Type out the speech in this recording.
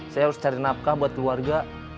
saya harus cari nafkah buat keluarga